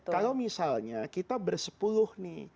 kalau misalnya kita bersepuluh nih